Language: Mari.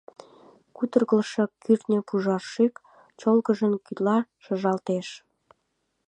Кудыргылшо кӱртньӧ пужар шӱк, чолгыжын, вӱдла шыжалтеш.